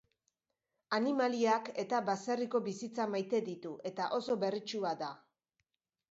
Animaliak eta baserriko bizitza maite ditu, eta oso berritsua da.